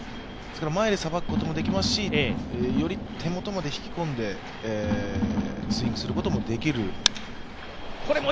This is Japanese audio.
前でさばくこともできますし、より手元まで引き込んでスイングすることもできる。